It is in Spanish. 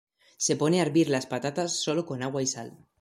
Se pone a hervir las patatas sólo con agua y sal.